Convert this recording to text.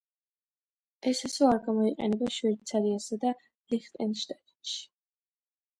ეს ასო არ გამოიყენება შვეიცარიასა და ლიხტენშტაინში.